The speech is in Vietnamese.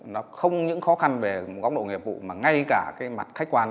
nó không những khó khăn về góc độ nghiệp vụ mà ngay cả cái mặt khách quan